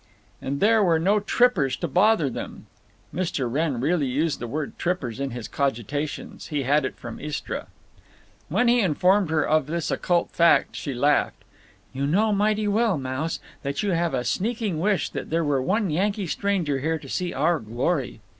And there were no trippers to bother them! (Mr. Wrenn really used the word "trippers" in his cogitations; he had it from Istra.) When he informed her of this occult fact she laughed, "You know mighty well, Mouse, that you have a sneaking wish there were one Yankee stranger here to see our glory."